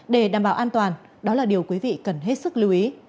để đảm bảo an toàn đó là điều quý vị cần hết sức lưu ý